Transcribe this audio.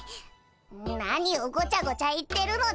何をごちゃごちゃ言ってるのだ。